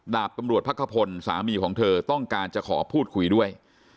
ดาบตำรวจพักขพลสามีของเธอต้องการจะขอพูดคุยด้วย